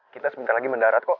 kita sebentar lagi mendarat kok